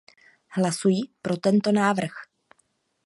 Hlasuji pro tento návrh.